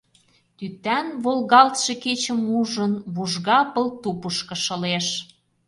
Тӱтан, волгалтше кечым ужын, Вужга пыл тупышко шылеш.